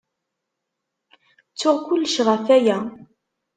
Ttuɣ kullec ɣef waya.